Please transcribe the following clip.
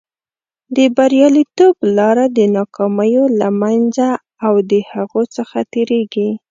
د بریالیتوب لاره د ناکامیو له منځه او د هغو څخه تېرېږي.